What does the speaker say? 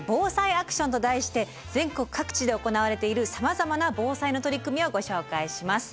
ＢＯＳＡＩアクション」と題して全国各地で行われている様々な防災の取り組みをご紹介します。